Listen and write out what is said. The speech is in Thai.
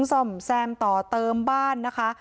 ซ่อมแซมต่อเติมบ้านนะคะ